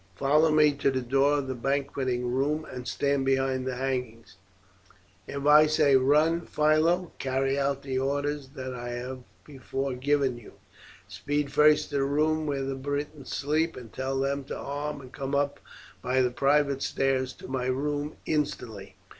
Follow me to the door of the banqueting room, and stand behind the hangings. If I say 'Run, Philo!' carry out the orders that I have before given you. Speed first to the room where the Britons sleep, and tell them to arm and come up by the private stairs to my room instantly.